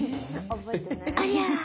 ありゃ。